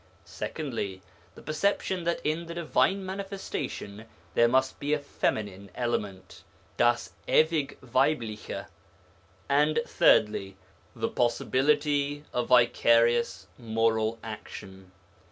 Secondly, the perception that in the Divine Manifestation there must be a feminine element (das ewig weibliche). And thirdly, the possibility of vicarious moral action.